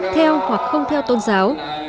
theo hoặc không theo tôn giáo